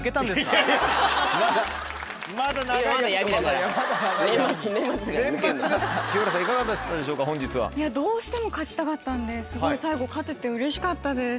どうしても勝ちたかったんですごい最後勝ててうれしかったです。